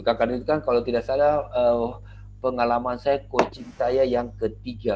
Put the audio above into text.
karena itu kan kalau tidak salah pengalaman saya coaching saya yang ketiga